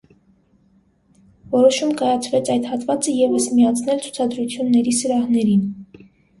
Որոշում կայացվեց այդ հատվածը ևս միացնել ցուցադրությունների սրահներին։